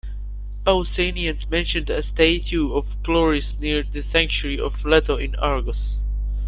Pausanias mentioned a statue of Chloris near the sanctuary of Leto in Argos.